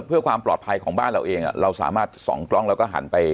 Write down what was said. เพื่อความปลอดภัยของบ้านเราเองเราสามารถส่องกล้องแล้วก็หันไป